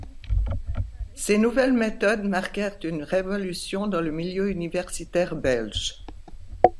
Ses nouvelles méthodes marquèrent une révolution dans le milieu universitaire belge.